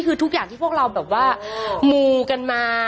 คือทุกอย่างที่พวกเราแบบว่ามูกันมา